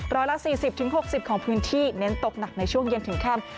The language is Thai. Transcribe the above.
ร้อยละ๔๐๖๐ของพื้นที่เน้นตกหนักในช่วงเย็นถึงค่ำ